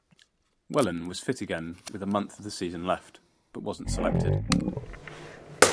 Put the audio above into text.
Whelan was fit again with a month of the season left, but wasn't selected.